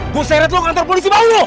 gue seret lu ke kantor polisi baru lu